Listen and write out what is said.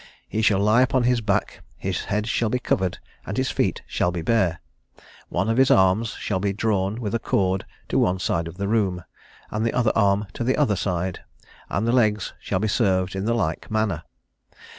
He shall lie upon his back, his head shall be covered, and his feet shall be bare. One of his arms shall be drawn with a cord to one side of the room, and the other arm to the other side; and his legs shall be served in the like manner.